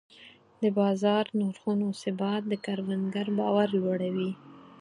د بازار نرخونو ثبات د کروندګر باور لوړوي.